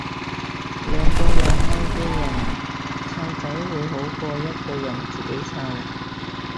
兩個有愛嘅人湊仔會好過一個人自己湊